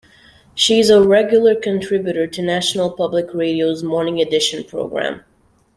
She is a regular contributor to National Public Radio's "Morning Edition" program.